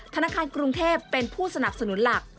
ธนาคารกรุงเทพเป็นผู้สนับสนุนหลัก